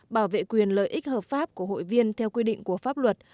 bảo vệ quyền lợi ích hợp pháp của hội viên theo quy định của pháp luật